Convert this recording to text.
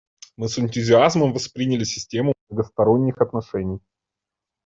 Мы с энтузиазмом восприняли систему многосторонних отношений.